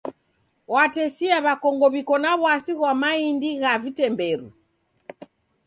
Watesia w'akongo w'iko na w'asi ghwa maindi gha vitemberu.